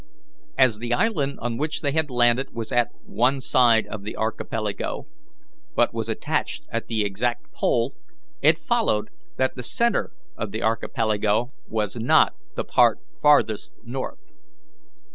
As the island on which they had landed was at one side of the archipelago, but was itself at the exact pole, it followed that the centre of the archipelago was not the part farthest north.